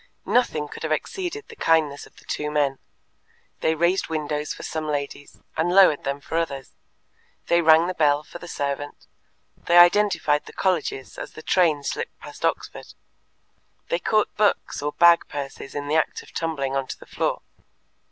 Nothing could have exceeded the kindness of the two men. They raised windows for some ladies, and lowered them for others, they rang the bell for the servant, they identified the colleges as the train slipped past Oxford, they caught books or bag purses in the act of tumbling on to the floor.